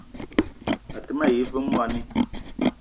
A te ma yi ve mwoani